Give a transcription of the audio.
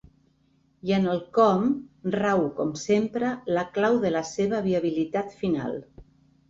I en el com rau, com sempre, la clau de la seva viabilitat final.